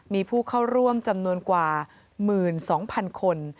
มีผู้เข้าร่วมจำนวนกว่า๑๒๐๐๐คน